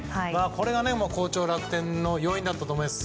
これが好調、楽天の要因だったと思います。